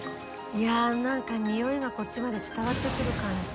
いやっ何か匂いがこっちまで伝わってくる感じ。